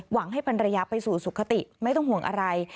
ให้ภรรยาไปสู่สุขติไม่ต้องห่วงอะไร